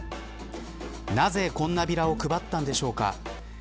なぜ、こんなビラを配ったのでしょうか。